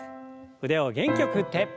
腕を元気よく振って。